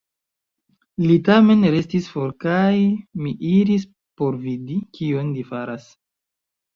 Li tamen restis for kaj mi iris por vidi, kion li faras.